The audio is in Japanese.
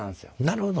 なるほど。